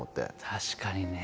確かにね。